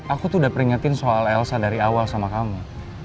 aku tuh udah peringetin soal elsa dari awal sama kamu